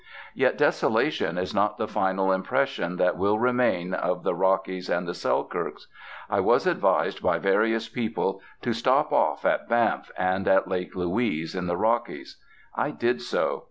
Yet desolation is not the final impression that will remain of the Rockies and the Selkirks. I was advised by various people to 'stop off' at Banff and at Lake Louise, in the Rockies. I did so.